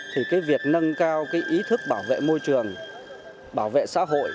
thì việc nâng cao ý thức bảo vệ môi trường bảo vệ xã hội